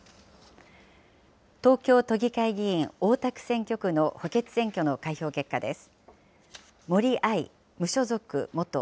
東京都議会議員大田区選挙区の補欠選挙の開票結果です。